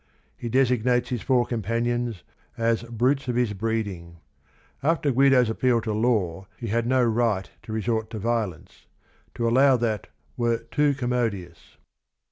He designates his four companions as "brutes of his breeding." After Guido's appeal to law he had no right to resort to violence; to allow that were "too commodious."